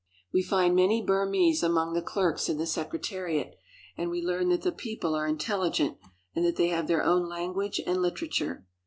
^^^•B^°'^' We find many Bur mese among the clerks in the Secretariat, and we learn that the people are intelligent and that they have their own language and literature.